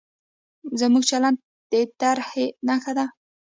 زموږ چلند د ترهې نښه ده.